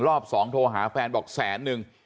รอบสองโทรหาแฟนบอกแสนนึง